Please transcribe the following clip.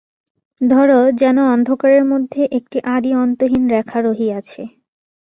ধর, যেন অন্ধকারের মধ্যে একটি আদি-অন্তহীন রেখা রহিয়াছে।